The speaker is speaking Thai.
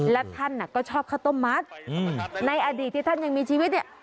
และท่านก็ชอบข้าวต้มมัดในอดีตที่ท่านยังมีชีวิตเนี่ย